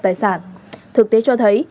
tài sản thực tế cho thấy